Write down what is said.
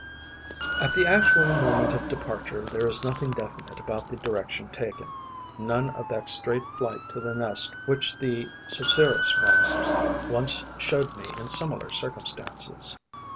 At the actual moment of departure, there is nothing definite about the direction taken, none of that straight flight to the nest which the Cerceris wasps once showed me in similar circumstances.